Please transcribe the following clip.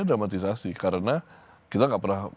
dramatisasi karena kita nggak pernah